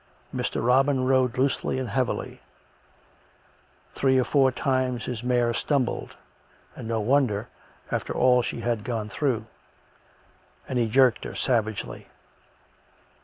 Mr. Robin rode loosely and heavily. Three or four times his mare stumbled (and no wonder, after all that she had gone through), and he jerked her savagely.